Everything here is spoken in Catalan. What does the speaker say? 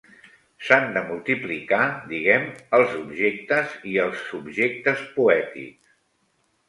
S'han de multiplicar, diguem, els objectes i els subjectes poètics.